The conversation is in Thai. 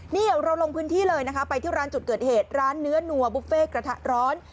นี่เราลงพื้นที่เลยนะคะไปที่ร้านจุดเกิดเหตุร้านเนื้อนัวบุฟเฟ่กระทะร้อน